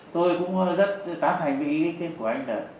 tôi cũng rất tám hành với ý kiến của anh là